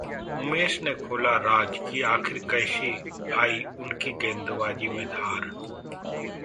उमेश ने खोला राज कि आखिर कैसे आई उनकी गेंदबाजी में धार